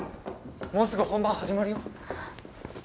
もうすぐ本番始まるよ